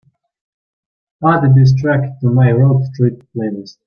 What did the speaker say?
add this track to my road trip playlist